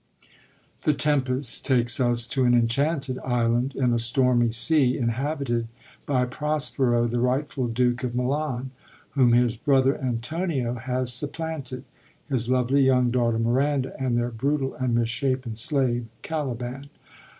TuE Tbmpest takes us to an enchanted island in a stormy sea, inhabited by Prospero, the rightful Duke of Milan— whom his brother Antonio has supplanted,— his lovely young daughter Miranda, and their brutal and misshapen slave Caliban.